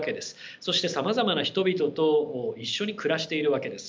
そしてさまざまな人々と一緒に暮らしているわけです。